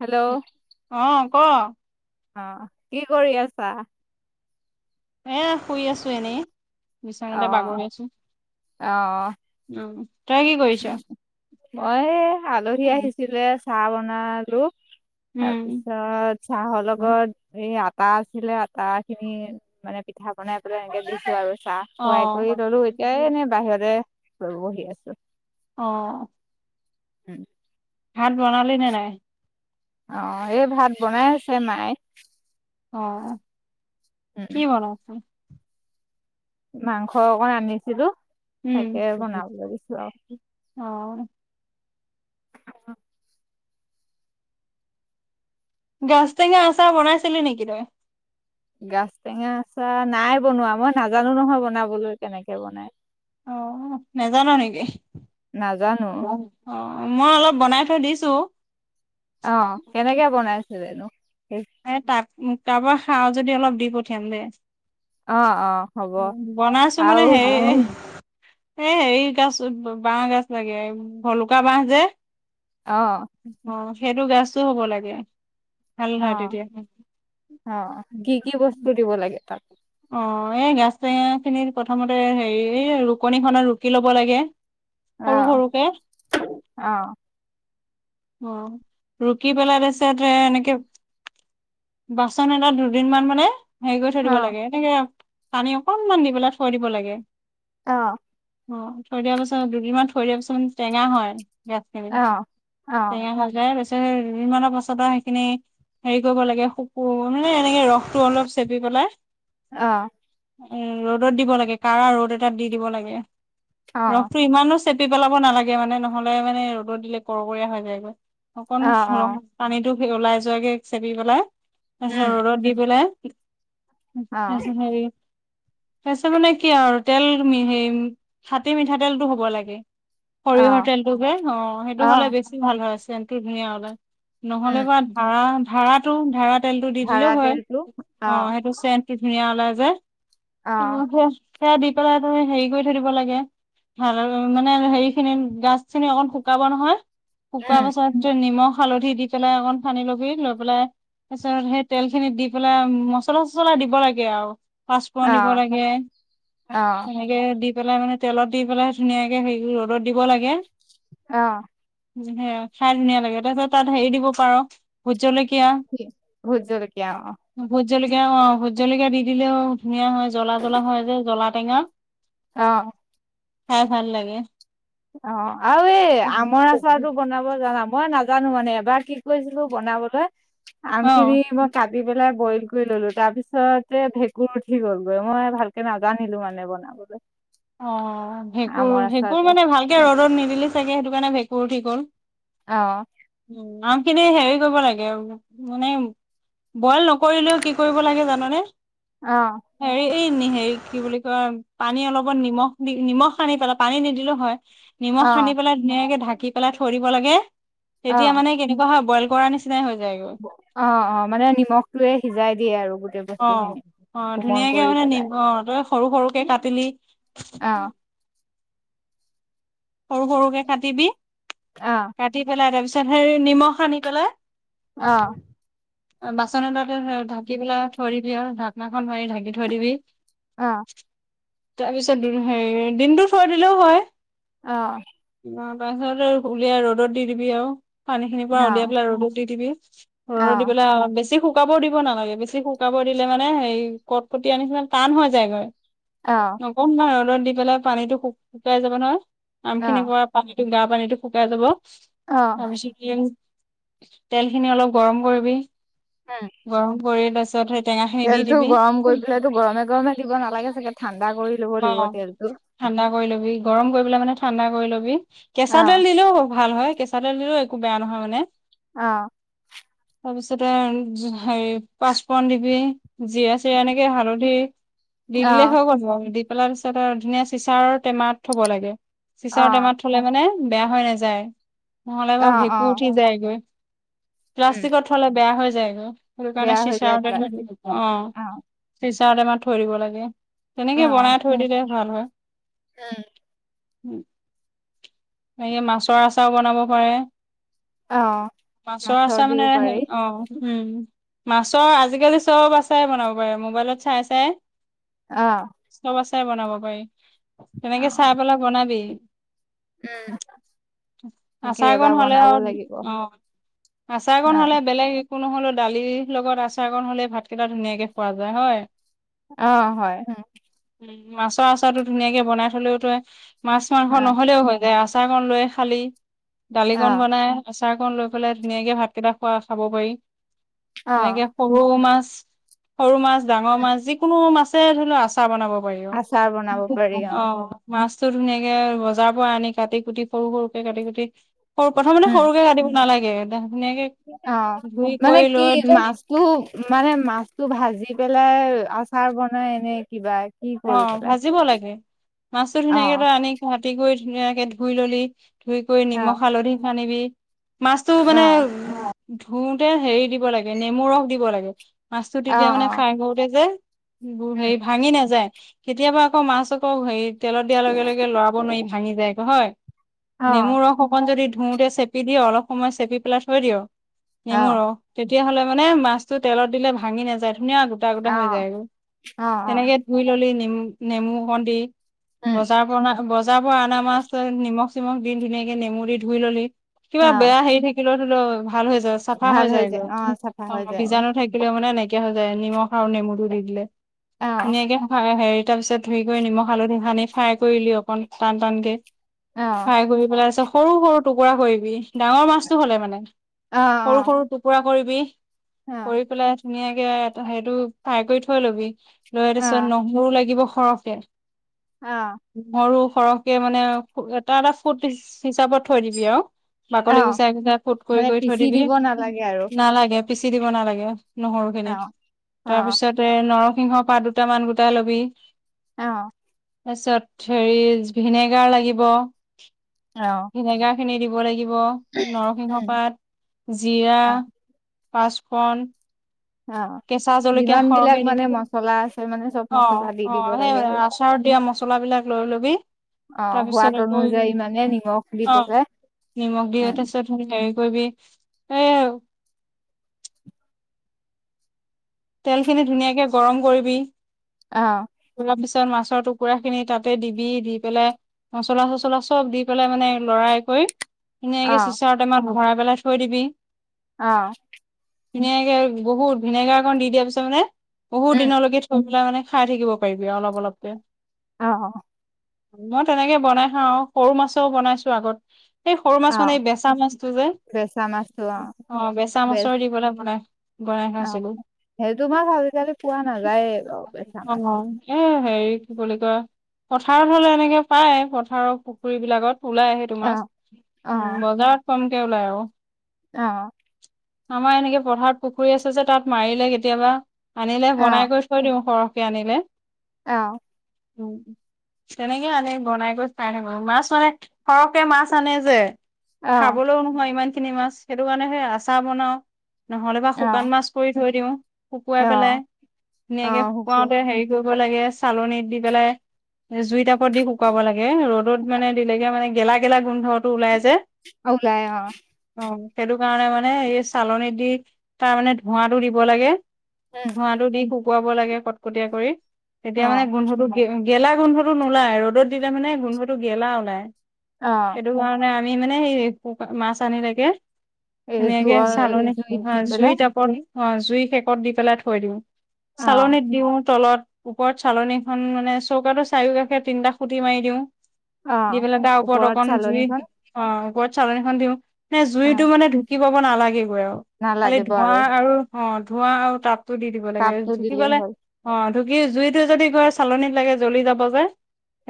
Hello অহ, অ ক কি কৰি আছা? এ শুই আছোঁ, এনেই অ বিচনাতে বাগৰি আছোঁ। অ অ'। তই কি কৰি মই আলহী আহিছিলে চাহ বনালো। উম তাৰপিছত চাহৰ লগত এই আটা আছিলে আটাখিনি মানে পিঠা বনাই পেলাই এনেকে দিছো আৰু চাহ। অ সোৱাই কৰি ল'লো এতিয়াই এনে বাহিৰতে ৰ বহি আছোঁ। অ'। উম। ভাত বনালি নে নাই? অ', এই ভাত বনাই আছে মায়ে। অ', উম কি বনাই আছে। মাংস অকণ আনিছিলো। উম, তাকে বনাবলৈ দিছো আৰু অ'। অ'। গছ টেঙা আচাৰ বনাইছিলো নেকি তই? গাজ টেঙা আচাৰ নাই বনোৱা, মই নাজানো নহয় বনাবলৈ কেনেকে বনাই। অ', নেজান' নেকি? নাজানো। অ', মই অলপ বনাই থৈ দিছো। অ', কেনেকে বনাইছিলেনো? অ এ তাক কাৰোবাৰ সাৰ যদি অলপ দি পঠিয়াম দে। অ হ'ব বনাইছো মানে আৰু সেই এই হেৰি গাছ বাঁহ গাজ লাগে ভলুকা বাঁহ যে। অ'। অ', সেইটো গাছো হ'ব লাগে। ভাল হয় অ', তেতিয়া অ', কি কি বস্তু দিব লাগে তাত? অ', এই গাজ টেঙাখিনিত প্ৰথমতে হেৰি এই ৰুকনিখনত ৰুকি ল'ব লাগে। সৰু অহ, সৰুকে অহ। অ', ৰুকি পেলাই তাৰিছত এ এনেকে বাচন এটাত দুদিন মান মানে হেৰি কৰি থৈ অ দিব লাগে এনেকে পানী অকনমান দি পেলাই থৈ দিব লাগে। অ'। অ', থৈ দিয়াৰ পিছত দুদিনমান থৈ দিয়া পিছত মানে টেঙা হয় গাজ টেঙা। অ অ অ টেঙা হৈ যায় পিছ দুদিনমানৰ পাছত আৰু সেইখিনি হেৰি কৰিব লাগে, শুকো মানে এনেকে ৰসটো অলপ চেপি পেলাই অ'। এ ৰ'দত দিব লাগে, কাৰা ৰ'দ এটাত দি দিব লাগে ৰসটো অ ইমানো চেপি পেলাব নালাগে মানে নহ'লে মানে ৰ'দত দিলে কৰকৰীয়া হৈ যায়গৈ অ অ অকণ পানীটো ওলাই যোৱাকে চেপি পেলাই তাৰপিছত উম ৰ'দত দি পেলাই উহ, অ তাৰিছত হেৰি তাৰিছত মানে কি আৰু তেল হে খাটি মিঠাতেলটো হ'ব লাগে। অ সৰিয়হৰ তেলটোকে অ', সেইটো হ'লে বেছি ভাল হয় চেণ্টটো ধুনীয়া ওলাই। নহ'লে উম বা ধাৰা, ধাৰাত টো ধাৰা তেলটো দি ধাৰা দিলেও হয়, তেলটো অ', সেইটো চেণ্ট টো ধুনীয়া ওলাই যে, অ ত সে-সেয়া দি পেলাই তুমি হেৰি কৰি থৈ দিব লাগে। ভাল মানে হেৰি খিনি গাছ খিনি অকন শুকাব নহয়। শুকোৱা উম পাছত নিমখ হালধি দি পেলাই অকণ সানি ল'বি লৈ পেলাই তাৰ পিছত সেই তেল খিনিত দি পেলাই মচলা-চচলা দিব লাগে আৰু অ পাঁচপূৰণ দিব লাগে, অ এনেকে দি পেলাই মানে তেলত দি পেলাই ধুনীয়াকে হেৰি ৰ'দত দিব লাগে। অ'। সেয়া খাই ধুনীয়া লাগে, তাৰ পিছত তাত হেৰি দিব পাৰ ভোট জলকীয়া। ভোট জলকীয়া অ'। ভোট জলকীয়া, অ', ভোট জলকীয়া দি দিলেও ধুনীয়া হয়, জ্বলা জ্বলা হয় যে জ্বলা টেঙা। অ'। খাই ভাল লাগে। অ', আৰু এই আমৰ আচাৰটো ব বনাব জানা, মই নাজানো মানে এবাৰ কি কৰিছিলো বনাবলৈ, আমখিনি মই অ কাটি পেলাই বইল কৰি ল'লো তাৰ পিছতে ভেঁকুৰ উঠি গ'লগৈ মই ভালকে নাজানিলোঁ, মানে বন আগলৈ অ', ভেঁকুৰ, ভেঁকুৰ মানে ভালকে ৰ'দত নিদিলি চাগে সেইটো কাৰণে ভেঁকুৰ উঠি গ'ল। অ'। উম, আম খিনি হেৰি কৰিব লাগে, মানে বইল নকৰিলেও কি কৰিব লাগে জাননে? অ'। হেৰি এই নে হেৰি কি বুলি কয় পানী অলপ নিমখ দি নিমখ সানি পেলাই, পানী নিদিলেও হয়, অ নিমখ সানি পেলাই ধুনীয়াকে ঢাকি পেলাই থৈ দিব লাগে, অ তেতিয়া মানে কেনেকুৱা হয় বইল কৰাৰ নিচিনাই হৈ যায়গৈ। অ', অ', মানে নিমখটোয়ে সিজাই দিয়ে আৰু গোটেই অ বস্তু খিনি। অ', কোমল ধুনীয়াকে কৰি মানে নি, পেলাই অ', তই সৰু সৰুকে কাটিলি। অ'। সৰু সৰুকে কাটিবি। অ'। কাটি পেলাই তাৰপিছত হেৰি নিমখ সানি পেলাই অ'। বাচন এটাতে ঢাকি পেলাই থৈ দিবি আৰু ঢাকনাখন মাৰি ঢাকি থৈ দিবি। অ'। তাৰপিছত দিলোঁ হয়, দিনটো থৈ সিলেও হয়। অ'। অ', তাৰপিছতে উলিয়াই ৰ'দত দি দিবি আৰু পানী খিনিৰ পৰা অ উলিয়াই পেলাই ৰ'দত দি দিবি, ৰ'দত দি পেলাই, বেছি শুক শুকাবও দিব নালাগে, বেছি শুকাব দিলে মানে হেৰি কট-কটিয়া নিচিনা টান হৈ যায়গৈ। অ'। অকণমান ৰ'দত দি পেলাই পানীতো শু, শুকাই যাব নহয়, আম খিনি পৰা পানীটো বেয়া পানীটো শুকাই যাব, অ অ [unintelligible] দিওঁ, তেল খিনি অলপ গৰম কৰিবি। উম গৰম কৰি তাৰপিছত সেই টেঙা খিনি দি তেলটো দিবি গৰম কৰি পেলাইটো গৰমে গৰমে দিব নালাগে চাগে, ঠাণ্ডা কৰি ল'ব লাগিব অ', তেলটো ঠাণ্ডা কৰি ল'বি গৰম কৰি পেলাই মানে ঠাণ্ডা কৰি লবি অ কেঁচা তেল দিলেও ভাল হয়। কেঁচা তেল দিলেও একো বেয়া নহয় মানে অ'। তাৰপিছত আৰু হেৰি পাঁচপূৰণ দিবি। জিৰা-চিৰা এনেকে হালধি। দি অ দিলে হৈ গ'ল আৰু দি পেলাই তাৰপিছত আৰু ধুনীয়া চিচাৰ টেমাত থব লাগে। অ চিচাৰ টেমাত থ'লে মানে বেয়া হৈ নাযায়। নহ'লে অ অ ভেঁকুৰ উঠি যায়গে। উম প্লাষ্টিকত থ'লে বেয়া হৈ যায় গৈ, সেইটো কাৰণে বেয়া হৈ যায় চিচাৰতে থৈ প্লাষ্টিক অ'। চিচাৰ টেমাত থৈ দিব লাগে। তেনেকে অ'। বনাই থৈ দিলে ভাল হয়। উম উম' [unintelligible] মাছৰ আচাৰও বনাব পাৰে। অ', মাছৰ আচাৰ দিও মানে হে, পাৰি অ' উম', মাছৰ আজিকালি চ'ব আচাৰেই বনাব পাৰে। মোবাইলত চাই চাই অ'। চ'ব আচাৰে বনাব পাৰি। তেনেকে অ'। চাই পেলাই বনাবি। উম' তাকে আচাৰ এবাৰ কণ হ'লে বনাব আৰু লাগিব অ', অ' আচাৰ কণ হ'লে বেলেগ একো নহ'লেও দালিৰ লগত আচাৰ কণ হ'লে ভাতকেইটা ধুনীয়াকে খোৱা যায় হয়। অ', হয়, হয়। উম', মাছৰ আচাৰটো ধুনীয়াকে বনাই থলেও তই, মাছ মাংস অ', নহ'লেও হৈ যায় আ চাৰ কণ লৈ খালি। দালিকণ অ', বনাই আ তাৰ অকণ লৈ পেলাই ধুনীয়াকে ভাতকেইটা খোৱা খাব পাৰি। অ'। এনেকে সৰু মাছ, সৰু মাছ, ডাঙৰ মাছ যিকোনো মাছ [unintelligible] আচাৰ বনাব পাৰিব। আচাৰ বনাব পাৰি অ', [inaudible] মাছতটো ধুনীয়াকে বজাৰ পৰা আনি কাটি- কুটি সৰু সৰুকে কাটি-কুটি সৰু-প্ৰথমতে উম সৰুকে কাটিব দিব নালাগে, একদম ধুনীয়াকে, ধুই কৰি লৈ টো, মানে মাছটো ভাজি পেলাই আচাৰ বনাই নে কিবা? কি কৰি অ', পেলাই ভাজিব লাগে। মাছতো ধুনীয়াকে অ', তই আনি কাটি কৰি ধুনীয়াকে ধুই ললি ধুই কৰি নিমখ অ', হালধি সানিবি। মাছটো মানে অ', ধুওতে হে, দিব লাগে, নেমু ৰস দিব লাগে। মাছটো অ', তেতিয়া মানে অ'। ফ্ৰাই কৰোতে যে উম। হেৰি ভাঙি নাযায়। কেতিয়াবা আকৌ মাছ আকৌ হেৰি তেলত দিয়া লগে লগে লৰাব নোৱাৰি ভাঙি যায়গৈ হয়। নেমু অ', ৰস অক অকণ যদি ধুওতে চেপি দিয়, অলপ সময় চেপি পেলাই থৈ দিয় নেমুৰ অ', ৰস তেতিয়াহ'লে মানে মাছটো তেলত দিলে ভাঙি নাযায় ধুনীয়া গোটা গোটা হৈ অ', যায়গৈ, অ', অ', তেনেকে ধুই ললি নেমু, নেমু অকণ দি উম, বজাৰ পৰা বজাৰ পৰা আনা মাছ, তই নিমখ চিমখ দি ধুনীয়াকে নেমু দি ধুই ললি। কিবা অ', বেয়া হেৰি থাকিলেও ধৰি লও ভাল হৈ যায় চাফা ভাল হৈ যায় যায়গৈ অ', চাফা হৈ অ' যায় বীজাণু থাকি লেও মানে নাইকিয়া হৈ যায়, নিমখ আৰু নেমুটো দি দিলে। অ', ধুনীয়াকে ফ্ৰাই হেৰি তাৰপিছত ধুই কৰি নিমখ হালধি সানি, ফ্ৰাই কৰিলি, অকণ টান টানকে অ', ফ্ৰাই কৰি পেলাই তাৰপিছত সৰু সৰু টুকুৰা কৰিবি ডাঙৰ মাছতটো হ'লে মানে। সৰু অ', সৰু টুকুৰা কৰিবি, অ', কৰি অ', পেলাই ধুনীয়াকে তই সেইটো ফ্ৰাই কৰি থৈ ল'বি। তাৰপিছত অ', নহৰুও লাগিব সৰহকে অ'। নহৰু সৰহকে মানে এটা এটা ফুট হিচাপত থৈ দিবি আৰু। শশী আও। বাকলি অ', গুচাই গুচাই ফুট কৰি মানে কৰি থৈ পিচি দিবি, দিব নালাগে আৰু নালাগে। পিচি দিব নালাগে নহৰু খিনি, অ', তাৰ অ', পিছতে নৰসিংহৰ পাত দুটা মান গোটাই লবি। অৱ। তাৰপিছত হেৰি ভিনেগাৰ লাগিব। অ', ভিনেগাৰ খিনি দিব লাগিব নৰসিংহ উম পাত জিৰা। অ', পাঁচপূৰণ- অ', কেঁচা জলকীয়া যিমান বিলাক সৰকে দি মানে দে দেই, মছলা আছে মানে চব মছলা দি অৱ দিব অৱ সেই লাগে আৰু আচাৰত দিয়া মছলাবিলাক লৈ ল'বি অ', সোৱাদ তাৰপিছত আকৌ অনুযায়ী মানে নিমখ দি অৱ', পেলাই নিমখ দি উম, তাৰ পিছত হেৰি কৰিবি, এইয়া আৰু। তেল খিনি ধুনীয়াকে গৰম কৰিবি। অৱ। অলপ পিছত মাছৰ টুকুৰা খিনি তাতে দিবি, দি পেলাই মচলা চচলা চ'ব দি পেলাই মানে লৰাই কৰি ধুনীয়াকে অ', চিচাৰ টেমাত ভৰাই পেলাই থৈ দিবি। অৱ। ভিনেগাৰ বহুত ভিনেগাৰ অকন দি দিয়াৰ পিছত মানে বহুত উম, দিনলৈকে থ মানে খাই থাকিব পাৰিবি অলপ অলপকে। অৱ। মই তেনেকে বনাই খাওঁ আৰু সৰু মাছেও বনাইছো আগত। সেই সৰু মাছ মানে অ', বেচা মাছটো যে বেচা মাছটো অ', অৱ', বেচা মাছৰ দি পেলাই বনাই। বনাই খাইছিলো অৱ, সেইটো মাছ আজিকালি পোৱা নাযায়েই বাৰু অ বেচা মাছটো। এ হেৰি বুলি কয়। পথাৰত হলে এনেকে পায় পথাৰত পুখুৰী বিলাকত ওলাই। সেইটো অ', মাছ অ', বজাৰত কমকে ওলাই আও। অৱ। আমাৰ এনেকে পথাৰ পুখুৰী আছে যে তাত মাৰিলে কেতিয়াবা আনিলে অ', বনাই কৰি থৈ দিওঁ সৰহকে আনিলে। অৱ। উম। তেনেকে আনি বনাই কৰি চাই থাকো মাছ মানে সৰহকে মাছ আনে যে অ', খাবলৈও নোহোৱা ইমান খিনি মাছ। সেইটো কাৰণে সেই আচাৰ বনাও নহ'লে বা শুকান অ', মাছ কৰি থৈ দিও, শুকুৱাই অ', পেলাই অ ধুনীয়াকে শুকুৱাই শুকুৱাওতে হেৰি কৰিব লাগে চালনীত দি পেলাই জুই টাপত দি শুকুৱাব লাগে ৰ'দত মানে দিলেগে মানে গেলা গেলা গোন্ধটো ওলাই যে। অ ওলাই অ অৱ', সেইটো কাৰণে মানে এই চালনী দি তাৰ মানে ধোঁৱাটো দিব লাগে। উম ধোঁৱাটো দি শুকুৱাব লাগে কটকটীয়া কৰি, অ তেতিয়া মানে গোন্ধটো গেলা গোন্ধটো নোলাই ৰ'দত দিলে মানে গোন্ধটো গেলা ওলাই। অৱ। সেইটো কাৰণে আমি মানে সেই মাছ আনিলেকে এই ধুনীয়াকে জুইৰ চালনী জুইত দি জুই পেলাই তাপত অৱ', জুই শেকত দি পেলাই থৈ দিওঁ। অ চালনীত দিওঁ তলত ওপৰত চালনীখন মানে চৌকাতো চাৰিওকাষে তিনিটা খুটি মাৰি দিওঁ। অ দি পেলাই তাৰ ওপৰত অকন জুই অ গৰত চালনীখন দিওঁ। নে অ জুইতটো মানে ঢুকি পাব নালাগেগৈ আৰু খালি ধোৱা আৰু অ ধোঁৱা আৰু তাপ। টো দি দিব লাগে তাপটো ঢুকি দিলেই পালে হ'ল অঁ ঢুকি জুইটো যদি গৈ চালনীত লাগে জ্বলি যাব যে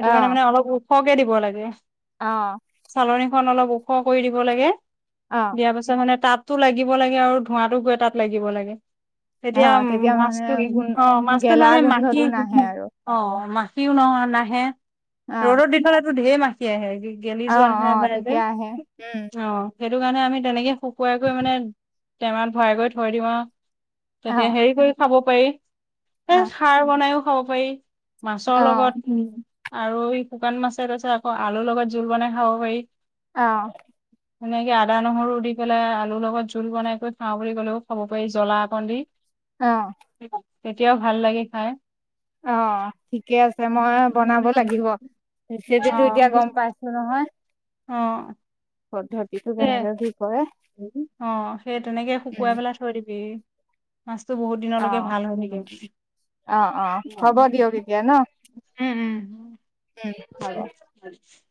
অ কাৰণে মানে অলপ ওখ খকে দিব লাগে অ চালনীখন অলপ ওখ কৰি দিব লাগে অ দিয়াৰ পাছত মানে তাপতো লাগিব লাগে আৰু ধোঁৱাটো গৈ তাত লাগিব লাগে অ তেতিয়া মানে মাছটো গুণ অ মাছটোত গেলা মানে মাখি গোন্ধটো নাহে আৰু অ মাখিও নহয় নাহে অ ৰ'দত দি থলেতো ঢেৰ মাখি খি আহে গেলি অ যোৱা অ নিচিনা হয় যেন তেতিয়া আহে উম অ সেইটো কাৰণে আমি তেনেকে শুকুৱাই কৰি মানে টেমাত ভৰাই কৰি থৈ দিওঁ আৰু অ তেতিয়া হেৰি কৰি খাব পাৰি এ অ খাৰ বনাইও খাব পাৰি মাছৰ অ লগত ওম আৰু এই শুকান মাছে তাপিছত আকৌ আলুৰ লগত জোল বনাই খাব পাৰি অ সেনেকে আদা নহৰু দি পেলাই আলুৰ লগত জোল বনাই কৰি খাওঁ বুলি ক'লেও খাব পাৰি জ্বলা অকণ দি অ তেতিয়াও ভাল লাগে খাই অ ঠিকে আছে মই বনাব লাগিব ৰেচিপি অ টো এতিয়া গম পাইছো নহয় অ পদ্ধতিটো সে কেনেকে কি কৰে অ সেই তেনেকে উম শুকুৱাই পেলাই থৈ দিবি মাছটো বহুত দিনলৈকে অ ভাল হয় থাকে অ অ হ'ব দিয়ক উম এতিয়া ন উম উম হ'ব [unintelligible]